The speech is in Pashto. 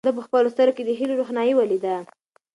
ده په خپلو سترګو کې د هیلو روښنايي ولیده.